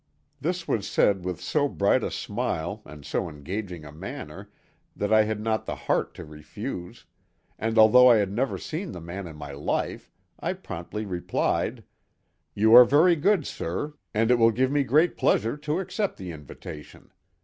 This was said with so bright a smile and so engaging a manner that I had not the heart to refuse, and although I had never seen the man in my life I promptly replied: "You are very good, sir, and it will give me great pleasure to accept the invitation.